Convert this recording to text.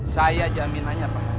saya jaminannya pak hamid